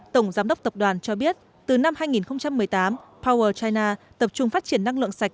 tổng giám đốc tập đoàn cho biết từ năm hai nghìn một mươi tám power china tập trung phát triển năng lượng sạch